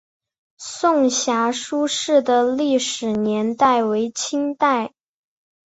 颂遐书室的历史年代为清代。